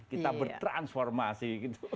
kita bertransformasi gitu